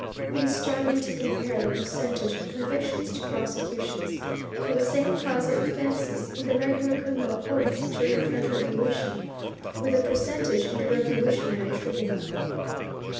It is startling to compare the percentage of convictions to prosecutions, for the same class of offences, in the regular criminal courts during the French Revolution, with the percentage in the Revolutionary Tribunal.